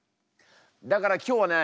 だから今日はね